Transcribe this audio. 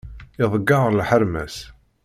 Iḍeyyeε lḥerma-s.